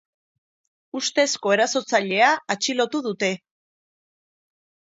Ustezko erasotzailea atxilotu dute.